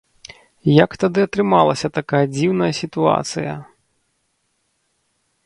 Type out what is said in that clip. Як тады атрымалася такая дзіўная сітуацыя?